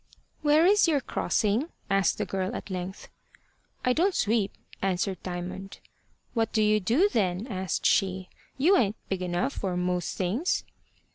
"Where is your crossing?" asked the girl at length. "I don't sweep," answered Diamond. "What do you do, then?" asked she. "You ain't big enough for most things."